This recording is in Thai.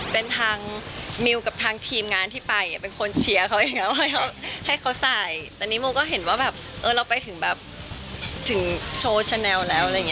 เป็นทางมิวกับทางทีมงานที่ไปเป็นคนเชียร์เขาเองนะ